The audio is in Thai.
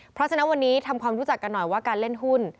เพราะฉะนั้นวันนี้ทำความรู้จักกันหน่อยว่าการเล่นหุ้น